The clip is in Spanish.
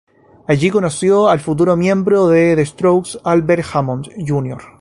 Allí conoció a otro futuro miembro de The Strokes, Albert Hammond, Jr.